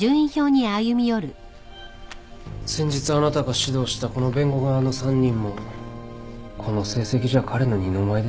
先日あなたが指導したこの弁護側の３人もこの成績じゃ彼の二の舞いですね。